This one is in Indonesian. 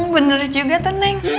bener juga tuh neng